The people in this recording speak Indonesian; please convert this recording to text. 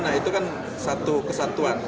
nah itu kan satu kesatuan